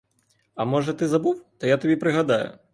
А може ти забув, то я тобі пригадаю.